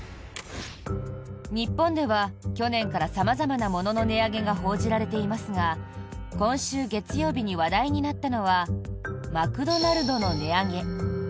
日本では去年から様々なものの値上げが報じられていますが今週月曜日に話題になったのはマクドナルドの値上げ。